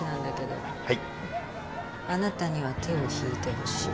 あなたには手を引いてほしい。